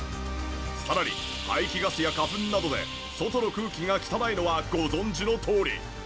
さらに排気ガスや花粉などで外の空気が汚いのはご存じのとおり。